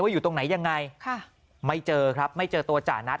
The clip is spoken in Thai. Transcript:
อยู่ตรงไหนยังไงไม่เจอครับไม่เจอตัวจ่านัท